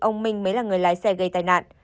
ông minh mới là người lái xe gây tai nạn